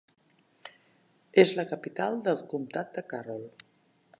És la capital del comtat de Carroll.